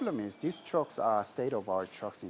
kereta ini adalah kereta yang berwarna warni